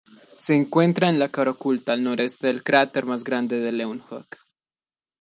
Se encuentra en la cara oculta, al noreste del cráter más grande Leeuwenhoek.